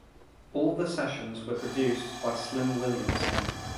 All the sessions were produced by Slim Williamson.